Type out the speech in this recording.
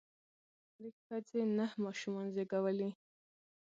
ويل به يې په کور کې هرې ښځې نهه ماشومان زيږولي.